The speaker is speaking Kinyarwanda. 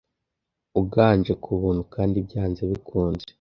uganje kubuntu kandi byanze bikunze